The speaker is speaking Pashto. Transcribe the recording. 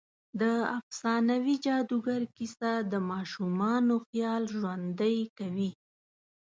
د افسانوي جادوګر کیسه د ماشومانو خيال ژوندۍ کوي.